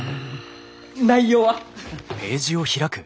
内容は？